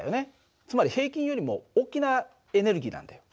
つまり平均よりも大きなエネルギーなんだよ。